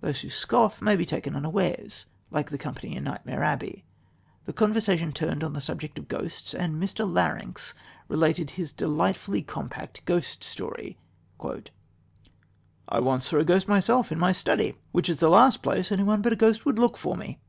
Those who scoff may be taken unawares, like the company in Nightmare Abbey. The conversation turned on the subject of ghosts, and Mr. Larynx related his delightfully compact ghost story: "I once saw a ghost myself in my study, which is the last place any one but a ghost would look for me.